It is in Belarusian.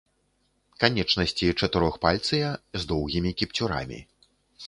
Канечнасці чатырохпальцыя, з доўгімі кіпцюрамі.